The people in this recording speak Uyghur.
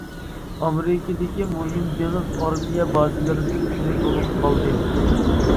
ئامېرىكىدىكى مۇھىم دېڭىز ئارمىيە بازىلىرىدىن بىرى بولۇپ قالدى.